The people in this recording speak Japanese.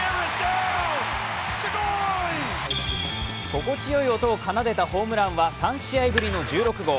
心地よい音を奏でたホームランは３試合ぶりの１６号。